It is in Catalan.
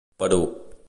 Perú.